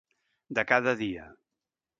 De cada dia.